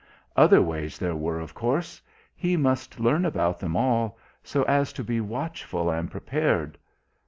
Other ways there were, of course. He must learn about them all, so as to be watchful and prepared.